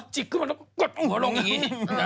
จิกขึ้นมาแล้วก็กดหัวลงอย่างนี้